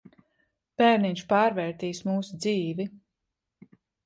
Bērniņš pārvērtīs mūsu dzīvi.